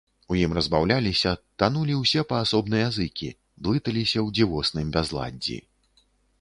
У ім разбаўляліся, танулі ўсе паасобныя зыкі, блыталіся ў дзівосным бязладдзі.